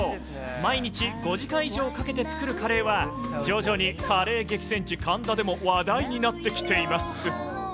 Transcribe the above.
毎日５時間以上かけて作るカレーは、徐々にカレー激戦地、神田でも話題になってきています。